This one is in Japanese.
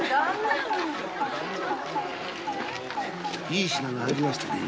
いい品が入りましたぜ。